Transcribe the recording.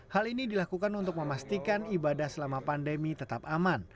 hal ini dilakukan untuk memastikan ibadah selama pandemi tetap aman